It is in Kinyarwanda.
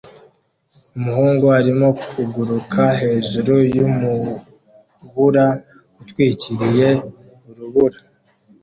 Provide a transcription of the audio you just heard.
Umuhungu arimo kuguruka hejuru yumubura utwikiriye urubura